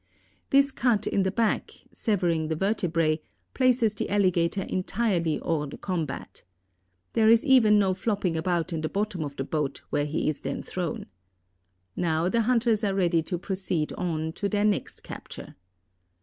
This cut in the back, severing the vertebrae, places the alligator entirely hors de combat. There is even no flopping about in the bottom of the boat where he is then thrown. Now the hunters are ready to proceed on to their next capture.